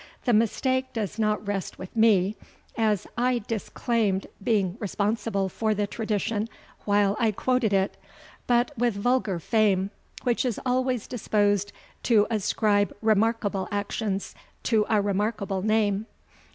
The mistake does not rest with me, as I disclaimed being responsible for the tradition while I quoted it, but with vulgar fame, which is always disposed to ascribe remarkable actions to a remarkable name.